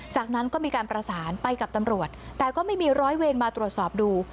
จากนั้นก็มีการประสานไปกับตำรวจแต่ก็ไม่มีร้อยเวรมาตรวจสอบดู